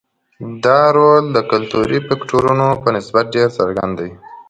دا رول د کلتوري فکټورونو په نسبت ډېر څرګند دی.